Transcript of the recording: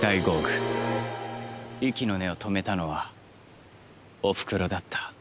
息の根を止めたのはおふくろだった。